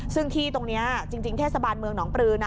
ซึ่งที่ตรงนี้จริงเทศบาลเมืองหนองปลือนะ